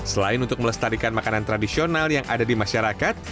selain untuk melestarikan makanan tradisional yang ada di masyarakat